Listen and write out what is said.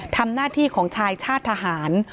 ทำหน้าที่ของชายชาติทหาร